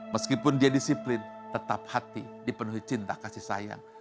meskipun dia disiplin tetap hati dipenuhi cinta kasih sayang